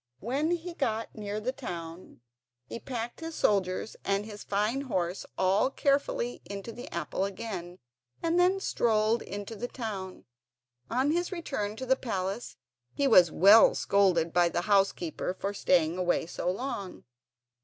When he got near the town he packed his soldiers and his fine horse all carefully into the apple again, and then strolled into the town. On his return to the palace he was well scolded by the housekeeper for staying away so long.